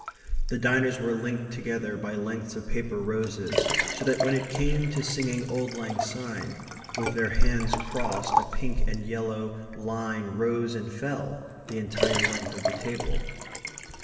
The diners were linked together by lengths of paper roses, so that when it came to singing "Auld Lang Syne" with their hands crossed a pink and yellow line rose and fell the entire length of the table.